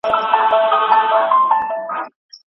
ايا د پخوانيو عالمانو نظر اوس هم د منلو دی؟